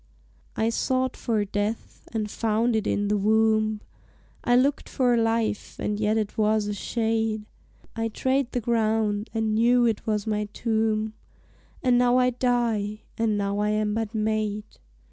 I sought for death and found it in the wombe, I lookt for life, and yet it was a shade, I trade the ground, and knew it was my tombe, And now I die, and now I am but made.